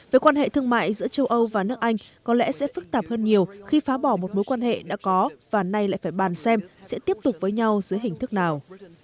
về quan hệ thương mại giữa châu âu và nước anh có lẽ sẽ phức tạp hơn nhiều khi phá bỏ một mối quan hệ đã có và nay lại phải bàn xem sẽ tiếp tục với nhau dưới hình thức nào